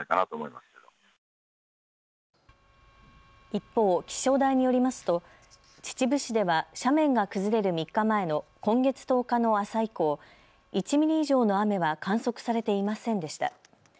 一方、気象台によりますと秩父市では斜面が崩れる３日前の今月１０日の朝以降、１ミリ以上の雨は観測されていませんでした。